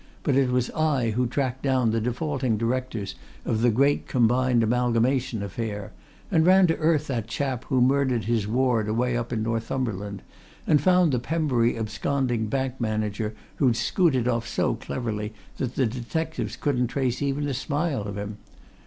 "But it was I who tracked down the defaulting directors of the Great Combined Amalgamation affair, and ran to earth that chap who murdered his ward away up in Northumberland, and found the Pembury absconding bank manager who'd scooted off so cleverly that the detectives couldn't trace even a smile of him!